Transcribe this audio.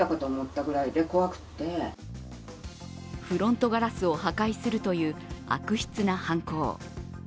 フロントガラスを破壊するという悪質な犯行。